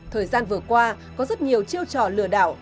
thời gian vừa qua có rất nhiều chiêu trò lừa đảo